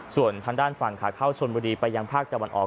ส่วนทางด้านฝั่งขาเข้าชนบุรีไปยังภาคตะวันออก